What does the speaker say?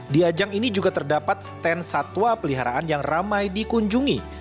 di ajang ini juga terdapat stand satwa peliharaan yang ramai dikunjungi